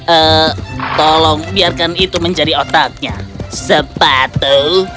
eh tolong biarkan itu menjadi otaknya sepatu